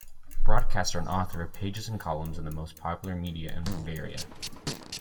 Broadcaster and author of pages and columns in the most popular media in Bulgaria.